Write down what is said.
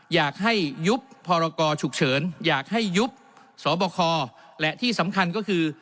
อยากให้ยุบพรกรฉุกเฉินอยากให้ยุบสบคและที่สำคัญก็คือ